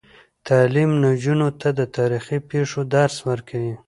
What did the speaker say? تعلیم نجونو ته د تاریخي پیښو درس ورکوي.